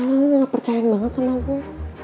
lu gak percaya banget sama gue